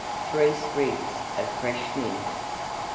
Three sprigs of fresh Mint.